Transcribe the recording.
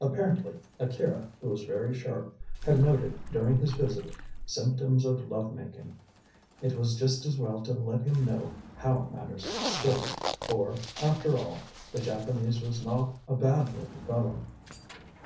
Apparently Akira, who was very sharp, had noted, during his visit, symptoms of lovemaking. It was just as well to let him know how matters stood, for, after all, the Japanese was not a bad little fellow.